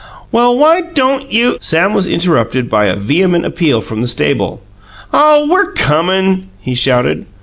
"Well, why don't you " Sam was interrupted by n vehement appeal from the stable. "Oh, we're comin'!" he shouted.